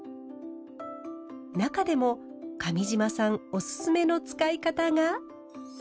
中でも上島さんオススメの使い方が。